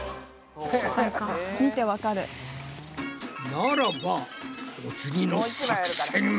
ならばお次の作戦は？